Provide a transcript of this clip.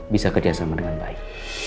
bisa kerjasama dengan baik